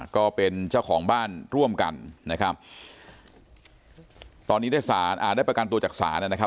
ก็เป็นเจ้าของบ้านร่วมกันนะครับตอนนี้ได้ประกันตัวจักษานะครับ